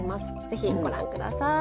ぜひご覧ください。